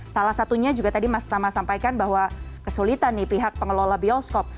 salah satunya juga tadi mas tama sampaikan bahwa kesulitan nih pihak pengelola bioskop